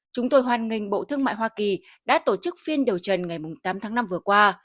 chúng tôi hoàn nghênh bộ thương mại hoa kỳ đã tổ chức phiên điều trần ngày tám tháng năm vừa qua